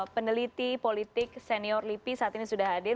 peneliti politik senior lipi saat ini sudah hadir